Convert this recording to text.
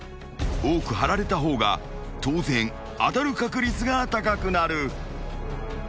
［多くはられた方が当然当たる確率が高くなる］